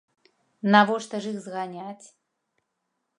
Навошта ж іх зганяць?